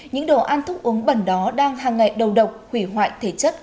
những đồ ăn thức uống bẩn đó đang hàng ngày đầu độc hủy hoại thể chất